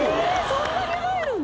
そんなに入るの？